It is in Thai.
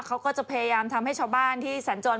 เขาก็จะพยายามทำให้ชาวบ้านที่สัญจร